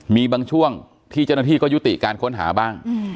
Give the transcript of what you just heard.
มีบางช่วงที่เจ้าหน้าที่ก็ยุติการค้นหาบ้าง